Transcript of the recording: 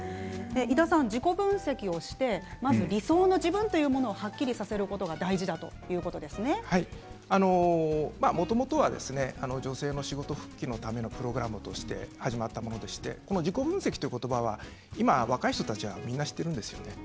井田さん、自己分析をしてまず理想の自分というものをはっきりさせることがもともとは女性の仕事復帰のためのプログラムとして始まったものでして自己分析という言葉は今、若い人たちみんな知っているんですよね。